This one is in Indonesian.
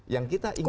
yang kita inginkan